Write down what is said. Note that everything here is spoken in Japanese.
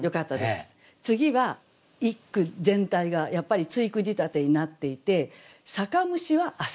次は一句全体がやっぱり対句仕立てになっていて「酒蒸しは浅蜊」